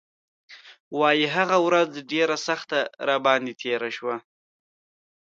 وايي هغه ورځ ډېره سخته راباندې تېره شوه.